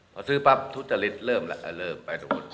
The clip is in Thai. พอซื้อปั๊บทุจริตเริ่มแล้วเริ่มไปตรงนู้น